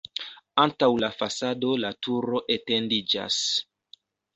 Antaŭ la fasado la turo etendiĝas.